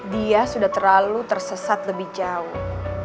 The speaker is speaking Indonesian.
dia sudah terlalu tersesat lebih jauh